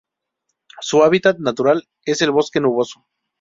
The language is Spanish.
Su hábitat natural es el bosque nuboso.